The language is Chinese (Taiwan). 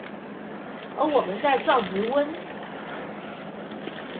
而我們在造魚塭